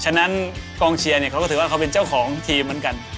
ฉะนั้นกองเชียร์เนี่ยเขาก็ถือว่าเขาเป็นเจ้าของทีมเหมือนกัน